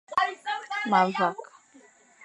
Ma vak.